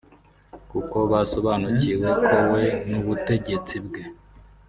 kuko basobanukiwe ko we n’ubutegetsi bwe